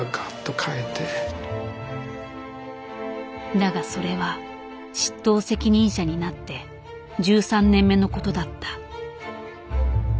だがそれは執刀責任者になって１３年目のことだった。